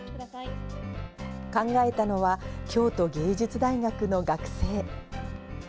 考えたのは、京都芸術大学の学生。